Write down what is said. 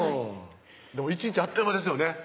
でも１日あっという間ですよね